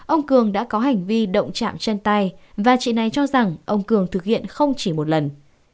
ông cường đã có hành vi động chạm chân tay và chị này cho rằng ông cường thực hiện không chỉ một lần